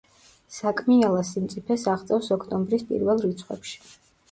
საკმიელა სიმწიფეს აღწევს ოქტომბრის პირველ რიცხვებში.